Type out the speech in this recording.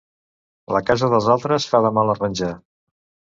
La casa dels altres fa de mal arranjar.